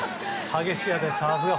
激しいです。